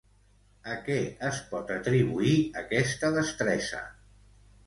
A què es pot atribuir aquesta destresa?